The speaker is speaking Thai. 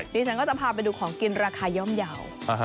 ดิฉันก็จะพาไปดูของกินราคาย่อมเยาว์